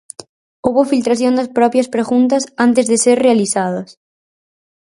Houbo filtración das propias preguntas antes de ser realizadas.